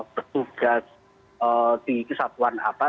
bertugas di kesatuan apa